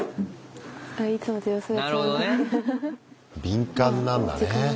敏感なんだね。